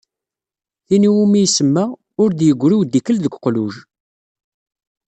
Tin i wumi isemma “Ur d-yeggri udikel deg uqluj."